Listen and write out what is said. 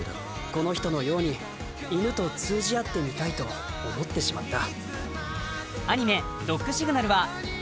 この人のように犬と通じ合ってみたいと思ってしまった。